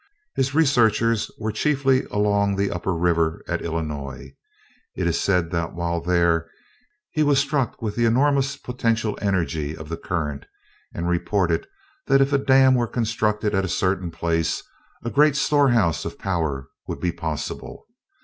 His researches were chiefly along the upper river at Illinois. It is said that while there he was struck with the enormous potential energy of the current, and reported that if a dam were constructed at a certain place, a great storehouse of power would be possible.